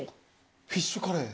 フィッシュカレー？